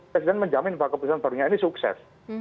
presiden menjamin bahwa keputusan barunya ini sukses